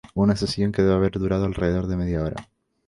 Una sesión que debe haber durado alrededor de media hora.